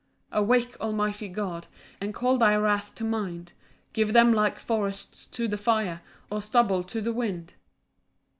6 Awake, almighty God, And call thy wrath to mind; Give them like forests to the fire, Or stubble to the wind.